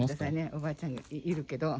おばあちゃんがいるけど。